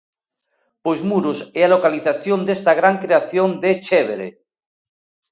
Pois Muros é a localización desta gran creación de Chévere.